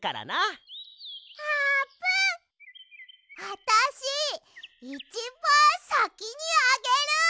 あたしいちばんさきにあげる！